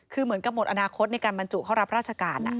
คือเหมือนกับหมดอนาคตในการบรรจุเข้ารับราชการ